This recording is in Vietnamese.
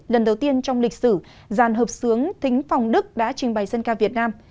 lần đầu tiên trong lịch sử giàn hợp sướng thính phòng đức đã trình bày dân ca việt nam